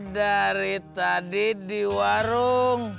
dari tadi di warung